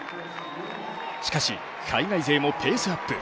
しかし、海外勢もペースアップ。